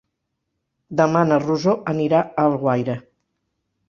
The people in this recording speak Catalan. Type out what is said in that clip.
Demà na Rosó anirà a Alguaire.